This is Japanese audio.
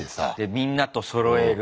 みんなとそろえる。